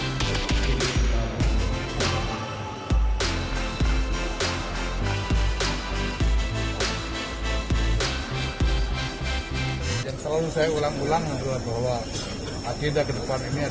masyarakat masing masing teman teman